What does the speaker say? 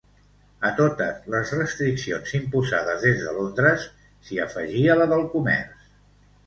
A totes les restriccions imposades des de Londres, s'hi afegia la del comerç.